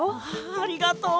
ありがとう！